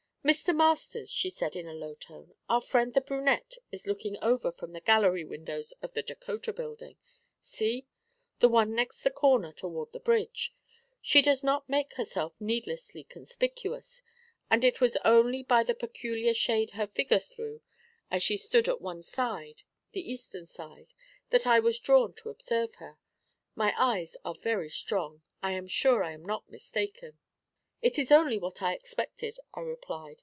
'Mr. Masters,' she said, in a low tone, 'our friend the brunette is looking over from the gallery windows of the Dakota Building see! the one next the corner, toward the bridge. She does not make herself needlessly conspicuous, and it was only by the peculiar shade her figure threw, as she stood at one side the eastern side that I was drawn to observe her. My eyes are very strong I am sure I am not mistaken.' 'It is only what I expected,' I replied.